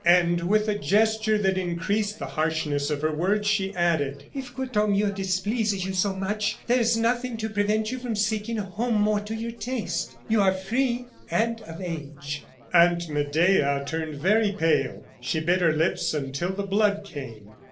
And with a gesture that increased the harshness of her words, she added: "If Courtornieu displeases you so much, there is nothing to prevent you from seeking a home more to your taste. You are free and of age." Aunt Medea turned very pale, and she bit her lips until the blood came.